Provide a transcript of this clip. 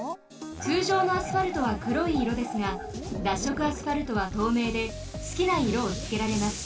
つうじょうのアスファルトはくろいいろですが脱色アスファルトはとうめいですきないろをつけられます。